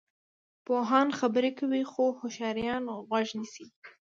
پوهان خبرې کوي خو هوښیاران غوږ نیسي.